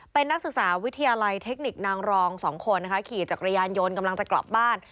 เป็นนักศึกษาวิทยาลัยเทคนิคนางรองสองคนนะคะขี่จักรยานยนต์กำลังจะกลับบ้าน